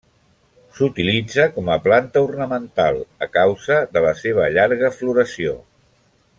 S'utilitza com a planta ornamental, a causa de la seva llarga floració.